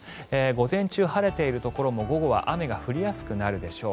午前中、晴れているところも午後は雨が降りやすくなるでしょう